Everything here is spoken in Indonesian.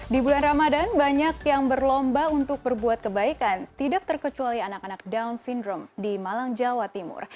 di bulan ramadan banyak yang berlomba untuk berbuat kebaikan tidak terkecuali anak anak down syndrome di malang jawa timur